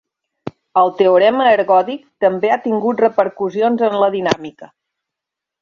El teorema ergòdic també ha tingut repercussions en la dinàmica.